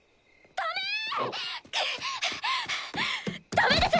ダメです！